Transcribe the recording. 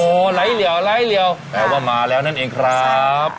โอ้ไล่เหลวไล่เหลวแปลว่ามาแล้วนั่นเองครับ